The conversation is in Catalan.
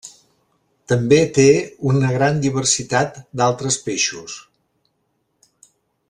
També té una gran diversitat d'altres peixos.